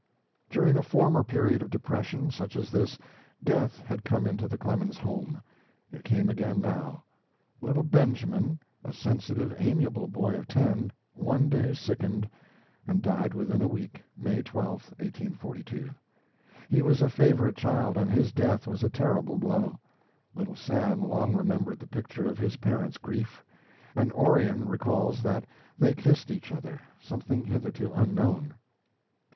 During a former period of depression, such as this, death had come into the Clemens home. It came again now. Little Benjamin, a sensitive, amiable boy of ten, one day sickened, and died within a week, May 12, 1842. He was a favorite child and his death was a terrible blow. Little Sam long remembered the picture of his parents' grief; and Orion recalls that they kissed each other, something hitherto unknown.